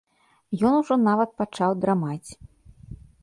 Ён ужо нават пачаў драмаць.